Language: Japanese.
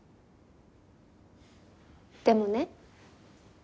でもね